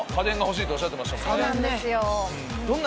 そうなんですよ。